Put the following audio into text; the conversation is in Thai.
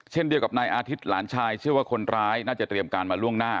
เช่นเดียวกับนายอาทิตย์หลานชายเชื่อว่าคนร้ายน่าจะเตรียมการมาล่วงหน้า